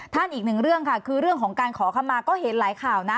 อีกหนึ่งเรื่องค่ะคือเรื่องของการขอคำมาก็เห็นหลายข่าวนะ